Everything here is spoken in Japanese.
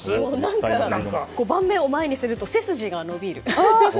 碁盤を前にすると背筋が伸びる。